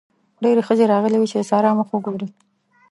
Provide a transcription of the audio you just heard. ډېرې ښځې راغلې وې چې د سارا مخ وګوري.